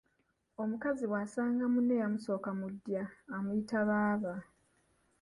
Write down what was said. Omukazi bw’asanga munne eyamusooka mu ddya amuyita Baaba.